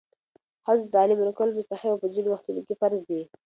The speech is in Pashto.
ښځو ته تعلیم ورکول مستحب او په ځینو وختونو کې فرض دی.